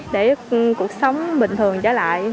để cuộc sống bình thường trở lại